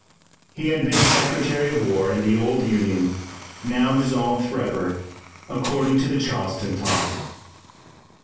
He had been Secretary of War in the old Union, now dissolved forever, according to the Charleston talk.